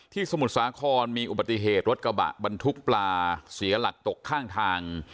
สมุทรสาครมีอุบัติเหตุรถกระบะบรรทุกปลาเสียหลักตกข้างทาง